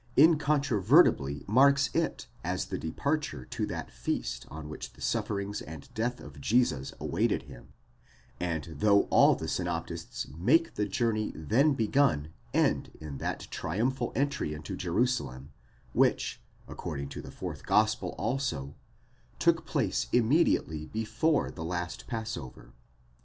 51), incon trovertibly marks it as the departure to that feast on which the sufferings and death of Jesus awaited him, and though all the synoptists make the journey then begun end in that triumphal entry into Jerusalem which, according to the fourth gospel also, took place immediately before the last passover.